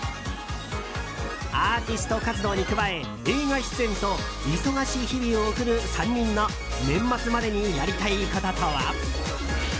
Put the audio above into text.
アーティスト活動に加え映画出演と忙しい日々を送る３人の年末までにやりたいこととは。